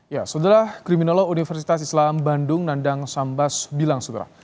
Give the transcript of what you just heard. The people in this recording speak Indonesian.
ya saudara kriminolog universitas islam bandung nandang sambas bilang segera